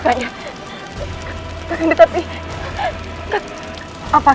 kau tidak salah